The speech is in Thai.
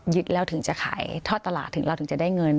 ยึดแล้วถึงจะขายทอดตลาดถึงจะได้เงิน